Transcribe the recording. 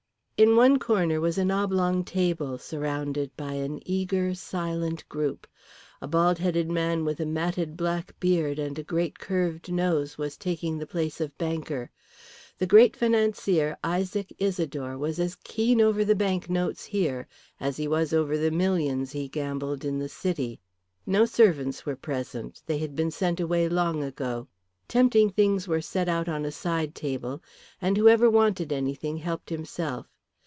In one corner was an oblong table, surrounded by an eager, silent group. A bald headed man with a matted black beard and a great curved nose was taking the place of banker. The great financier Isaac Isidore was as keen over the banknotes here as he was over the millions he gambled in the city. No servants were present, they had been sent away long ago. Tempting things were set out on a side table, and whoever wanted anything helped himself.